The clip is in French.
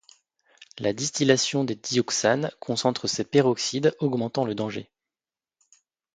La distillation des dioxanes concentre ces peroxydes, augmentant le danger.